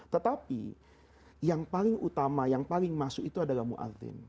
tetapi yang paling utama yang paling masuk itu adalah muazzin